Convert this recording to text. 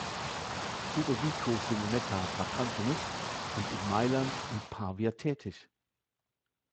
Ludovico Simonetta war Kanonist und in Mailand und Pavia tätig.